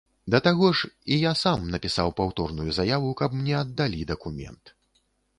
Да таго ж, і я сам напісаў паўторную заяву, каб мне аддалі дакумент.